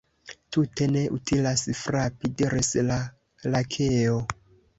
"Tute ne utilas frapi," diris la Lakeo."